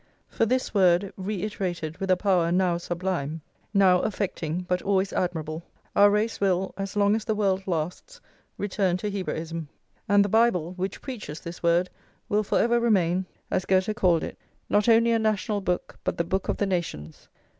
For this word, reiterated with a power now sublime, now affecting, but always admirable, our race will, as long as the world lasts, return to Hebraism; and the Bible, which preaches this word, will forever remain, as Goethe called it, not only a national book, but the Book of the Nations.